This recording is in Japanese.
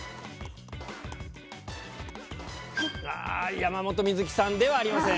山本美月さんではありません。